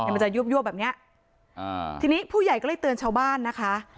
มันจะยวบแบบเนี้ยอ่าทีนี้ผู้ใหญ่ก็เลยเตือนชาวบ้านนะคะ